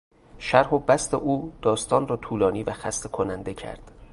شرح و بسط او داستان را طولانی و خسته کننده کرد.